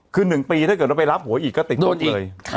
คือ๑ปีถ้าเกิดเราไปรับโหยอีกก็ติดตกเลย